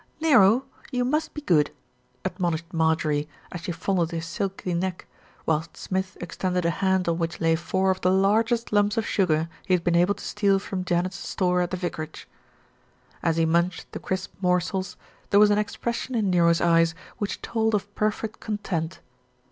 "Nero, you must be good," admonished Marjorie, as she fondled his silky neck, whilst Smith extended a hand on which lay four of the largest lumps of sugar he had been able to steal from Janet's store at the vicarage. As he munched the crisp morsels, there was an ex pression in Nero's eyes which told of perfect content.